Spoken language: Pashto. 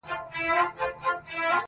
د مینانو د لښکرو قدر څه پیژني!.